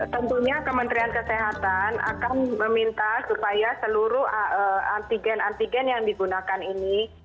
tentunya kementerian kesehatan akan meminta supaya seluruh antigen antigen yang digunakan ini